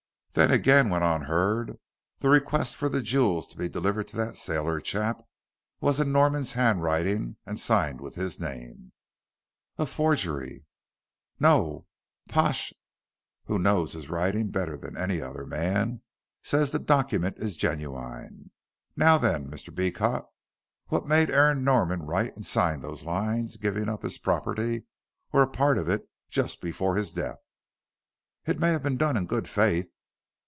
"Then again," went on Hurd, "the request for the jewels to be delivered to that sailor chap was in Norman's handwriting and signed with his name." "A forgery." "No. Pash, who knows his writing better than any other man, says the document is genuine. Now then, Mr. Beecot, what made Aaron Norman write and sign those lines giving up his property or a part of it just before his death?" "It may have been done in good faith."